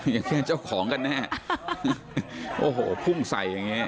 อย่างนี้เจ้าของกันแน่โอ้โหพุ่งใส่อย่างนี้